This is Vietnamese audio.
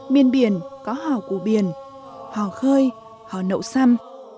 miền biển có hò của biển hò khơi hò nậu xăm